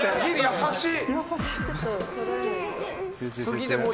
優しい。